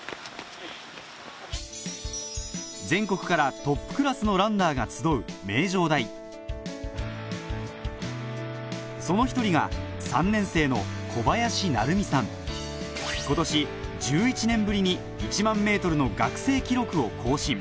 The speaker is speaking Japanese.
・全国からトップクラスのランナーが集う名城大その一人が今年１１年ぶりに１００００ｍの学生記録を更新